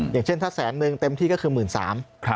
อย่างเช่นถ้าแสนนึงเต็มที่ก็คือ๑๓๐๐บาท